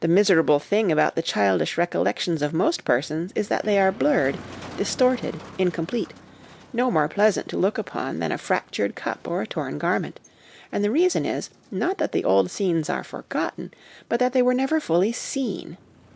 The miserable thing about the childish recollections of most persons is that they are blurred, distorted, in complete, no more pleasant to look upon than a fractured cup or a torn garment ; and the reason is, not that the old scenes are forgotten, but that they were never fully seen.